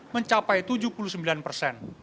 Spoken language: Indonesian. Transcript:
mencapai tujuh puluh sembilan persen